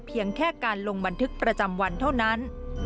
เพียงแค่การลงบันทึกประจำวันเท่านั้น